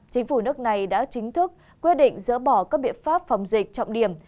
chính phủ nước này đã chính thức quyết định dỡ bỏ các biện pháp phòng dịch trọng điểm